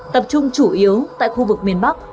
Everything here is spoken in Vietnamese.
tập trung chủ yếu tại khu vực miền bắc